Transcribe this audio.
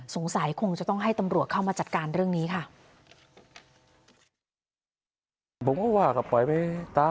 สงสัยคงจะต้องให้ตำรวจเข้ามาจัดการเรื่องนี้ค่ะ